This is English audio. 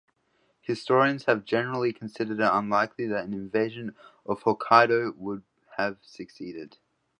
Historians have generally considered it unlikely that an invasion of Hokkaido would have succeeded.